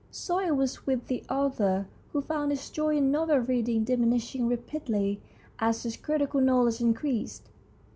So it was with the author, who found his joy in novel reading diminishing rapidly as his critical knowledge increased.